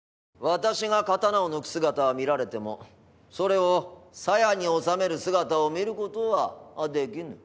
私が刀を抜く姿は見られてもそれを鞘に納める姿を見る事はできぬ。